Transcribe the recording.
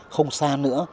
không xa nữa